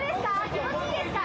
気持ちいいですか？